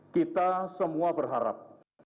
kita semua berharap